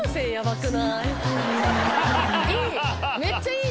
いい。